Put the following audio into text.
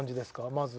まず。